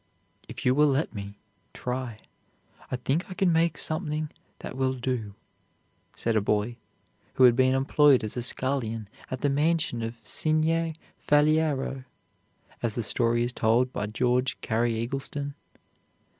"If you will let me try, I think I can make something that will do," said a boy who had been employed as a scullion at the mansion of Signer Faliero, as the story is told by George Cary Eggleston.